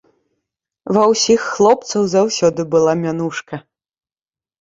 Ва ўсіх хлопцаў заўсёды была мянушка.